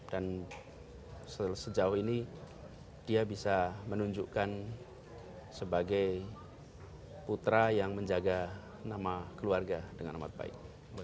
dan sejauh ini dia bisa menunjukkan sebagai putra yang menjaga nama keluarga dengan amat baik